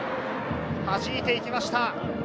はじいて行きました。